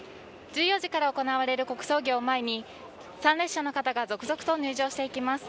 １４時から行われる国葬儀を前に参列者の方が続々と入場していきます。